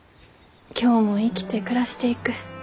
今日も生きて暮らしていく。